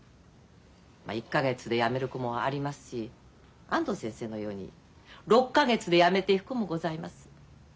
まあ１か月でやめる子もありますし安藤先生のように６か月でやめていく子もございます。